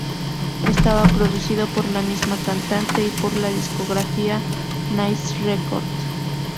Estaba producido por la misma cantante y por la discográfica Nice Records.